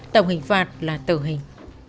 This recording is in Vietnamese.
tổng hình phạt là tử hình